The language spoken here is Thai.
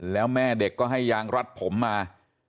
แล้วแม่เด็กก็ให้ยางรัดผมมา